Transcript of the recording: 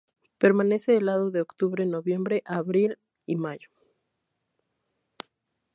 Permanece helado de octubre-noviembre a abril-mayo.